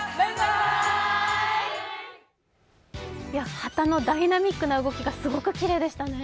旗のダイナミックな動きがすごくきれいでしたね。